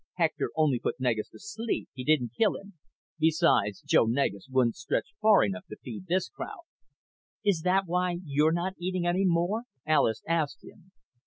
"Hector only put Negus to sleep. He didn't kill him. Besides, Joe Negus wouldn't stretch far enough to feed this crowd." "Is that why you're not eating any more?" Alis asked him.